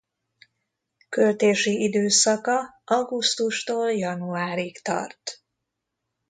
Költési időszaka augusztustól januárig tart.